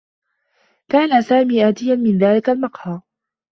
كان سامي آتيًا من ذاك المقهى.